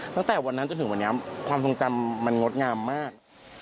ตั้งแต่วันนั้นจนถึงวันนี้ความทรงจำมันงดงามมาก